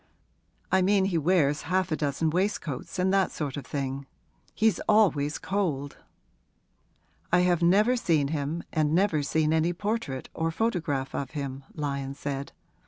'I mean he wears half a dozen waistcoats, and that sort of thing. He's always cold.' 'I have never seen him and never seen any portrait or photograph of him,' Lyon said.